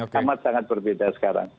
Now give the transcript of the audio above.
sangat sangat berbeda sekarang